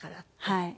はい。